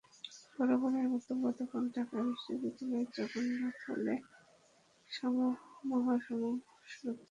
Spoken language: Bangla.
বরাবরের মতো গতকাল ঢাকা বিশ্ববিদ্যালয়ের জগন্নাথ হলে মহাসমারোহে সরস্বতী দেবীর আরাধনা হয়।